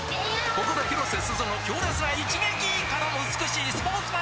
ここで広瀬すずの強烈な一撃！からの美しいスポーツマンシップ！